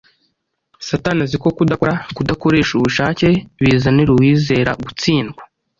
Satani azi ko kudakora, kudakoresha ubushake, bizanira uwizera gutsindwa